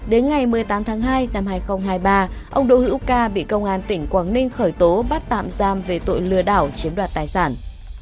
đến ngày một mươi tám tháng hai năm hai nghìn hai mươi ba ông đỗ hữu ca bị công an tỉnh quảng ninh khởi tố bắt tạm giam về tội lừa đảo chiếm đoạt tài sản